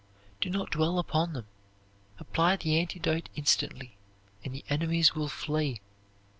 Do not dwell upon them. Apply the antidote instantly, and the enemies will flee.